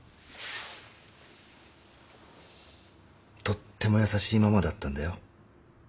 とっても優しいママだったんだよ。